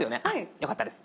よかったです。